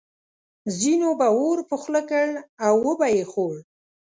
ځینو به اور په خوله کړ او وبه یې خوړ.